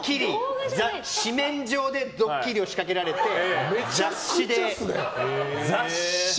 誌面上でドッキリを仕掛けられて雑誌で。